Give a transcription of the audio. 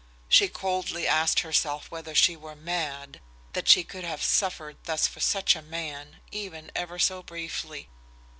She coldly asked herself whether she were mad, that she could have suffered thus for such a man, even ever so briefly.